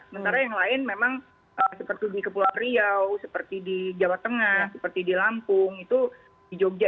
sementara yang lain memang seperti di kepulauan riau seperti di jawa tengah seperti di lampung itu di jogja